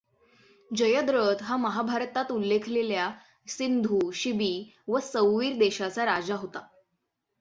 जयद्रथ हा महाभारतात उल्लेखिलेल्या सिंधु, शिबि व सौवीर देशांचा राजा होता.